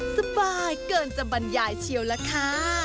สบายเกินจะบรรยายเชียวล่ะค่ะ